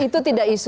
itu tidak isu